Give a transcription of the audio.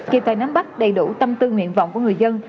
kịp thời nắm bắt đầy đủ tâm tư nguyện vọng của người dân